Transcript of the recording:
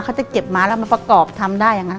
เขาจะเก็บมาแล้วมาประกอบทำได้อย่างนั้น